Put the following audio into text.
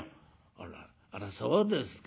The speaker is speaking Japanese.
「あらあらそうですか。